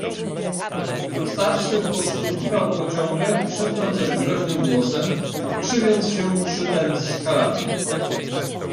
"Starszy poszturchiwał go ciągle i szeptał coś groźnym głosem, krzywiąc się przytem szkaradnie."